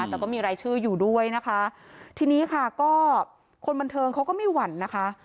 แต่ก็มีรายชื่ออยู่ด้วยนะคะทีนี้ค่ะก็คนบันเทิงเขาก็ไม่หวั่นนะคะ